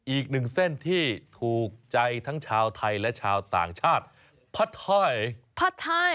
อีกหนึ่งเส้นที่ถูกใจทั้งชาวไทยและชาวต่างชาติผัดไทยผัดไทย